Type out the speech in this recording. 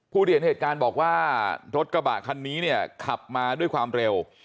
ที่เห็นเหตุการณ์บอกว่ารถกระบะคันนี้เนี่ยขับมาด้วยความเร็ว